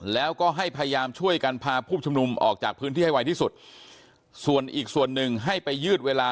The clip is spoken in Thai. แล้วก็ให้พยายามช่วยกันพาผู้ชุมนุมออกจากพื้นที่ให้ไวที่สุดส่วนอีกส่วนหนึ่งให้ไปยืดเวลา